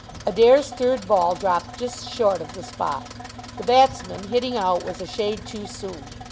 Adair's third ball dropped just short of the spot. The batsman, hitting out, was a shade too soon.